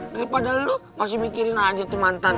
daripada lu masih mikirin aja tuh mantan